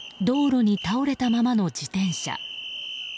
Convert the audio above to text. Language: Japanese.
道路に倒れたままの自転車。